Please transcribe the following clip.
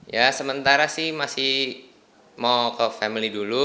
ya sementara sih masih mau ke family dulu